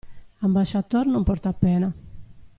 Ambasciator non porta pena.